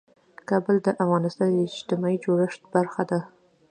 کابل د افغانستان د اجتماعي جوړښت برخه ده.